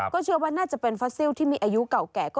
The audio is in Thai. เชื่อว่าน่าจะเป็นฟอสซิลที่มีอายุเก่าแก่